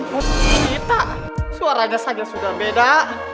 tidak suaranya saja sudah beda